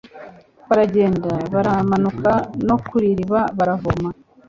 baragenda baramanuka no ku iriba baravoma